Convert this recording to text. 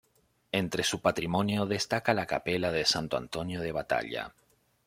Entre su patrimonio destaca la capela de Santo Antonio de Batalha.